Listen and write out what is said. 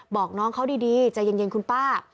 บอกน้องเขาดีใจเย็นคุณป้า